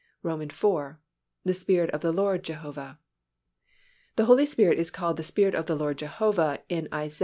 IV. The Spirit of the Lord Jehovah. The Holy Spirit is called the Spirit of the Lord Jehovah in Isa.